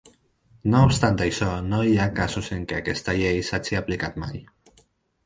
No obstant això, no hi ha casos en què aquesta llei s'hagi aplicat mai.